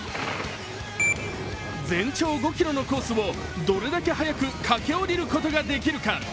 全長５ｋｍのコースをどれだけ速く駆け下りることができるか。